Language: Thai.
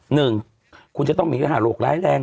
หนึ่งคุณจะต้องมีรหาโรคร้ายแรง